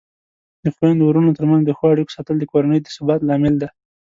د خویندو ورونو ترمنځ د ښو اړیکو ساتل د کورنۍ د ثبات لامل دی.